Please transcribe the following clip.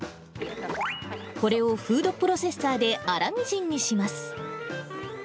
これをフードプロセッサーで粗みじんにします。